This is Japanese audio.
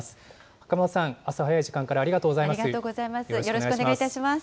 袴田さん、朝早い時間からありがとうございます。